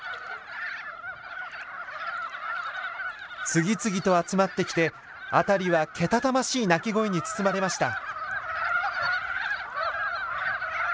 次々と集まってきて辺りはけたたましい鳴き声に包まれました。